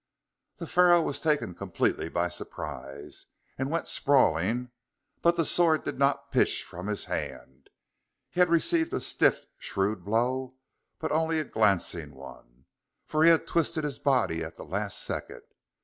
The Pharaoh was taken completely by surprise, and went sprawling; but the sword did not pitch from his hand. He had received a stiff, shrewd blow, but only a glancing one, for he had twisted his body at the last second.